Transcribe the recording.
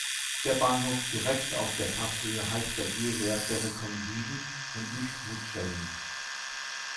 Der Bahnhof direkt auf der Passhöhe heisst seit jeher "Berikon-Widen" und nicht "Mutschellen".